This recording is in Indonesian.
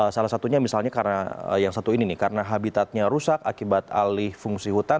salah satunya misalnya karena yang satu ini nih karena habitatnya rusak akibat alih fungsi hutan